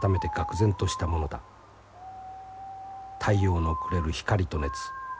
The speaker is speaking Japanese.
太陽のくれる光と熱。